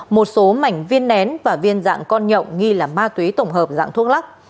một số mảnh viên nén và viên dạng con nhộng nghi là ma túy tổng hợp dạng thuốc lắc